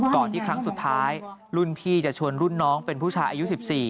ก่อนที่ครั้งสุดท้ายรุ่นพี่จะชวนรุ่นน้องเป็นผู้ชายอายุ๑๔